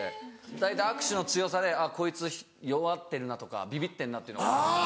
大体握手の強さであっこいつ弱ってるなとかビビってるなっていうの。